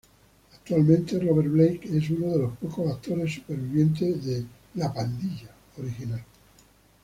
Actualmente, Robert Blake es uno de los pocos actores sobrevivientes de "La Pandilla" original.